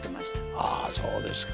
ああそうですか。